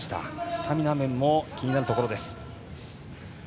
スタミナ面も気になるところです。